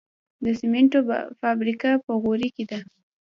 د سمنټو فابریکه په غوري کې ده